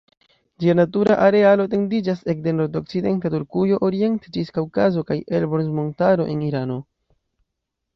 Ĝia natura arealo etendiĝas ekde nordokcidenta Turkujo oriente ĝis Kaŭkazo kaj Elborz-Montaro en Irano.